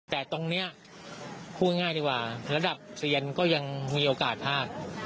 แต่ตรงนี้พูดง่ายดีกว่าระดับเซียนก็ยังมีโอกาสพลาด